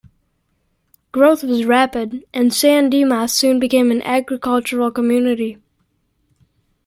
Growth was rapid, and San Dimas soon became an agricultural community.